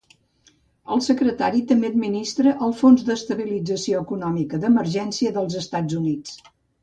El secretari també administra el Fons d'Estabilització Econòmica d'Emergència dels Estats Units.